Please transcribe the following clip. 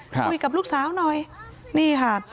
คุยกับลูกสาวหน่อยนี่ค่ะ